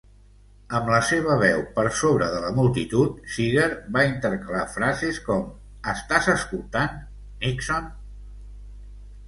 Amb la seva veu per sobre de la multitud, Seeger va intercalar frases com: Estàs escoltant, Nixon?